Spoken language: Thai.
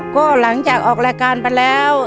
ก็หลังจากออกรายการไปแล้ว